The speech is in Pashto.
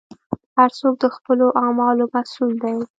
هر څوک د خپلو اعمالو مسوول دی.